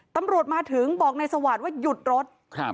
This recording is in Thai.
ตำรวจมาถึงบอกในสวาสว่าหยุดรถ